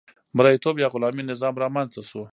مرئیتوب یا غلامي نظام رامنځته شو.